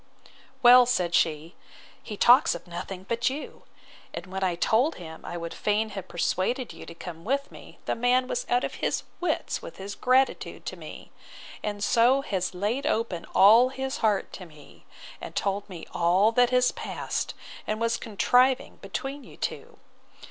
Well, said she, he talks of nothing but you: and when I told him I would fain have persuaded you to come with me, the man was out of his wits with his gratitude to me: and so has laid open all his heart to me, and told me all that has passed, and was contriving between you two.